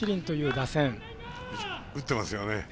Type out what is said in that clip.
打ってますよね。